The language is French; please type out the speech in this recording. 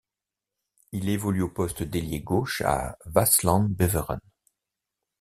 Il évolue au poste d'ailier gauche à Waasland-Beveren.